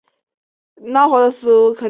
滨海埃尔芒维尔。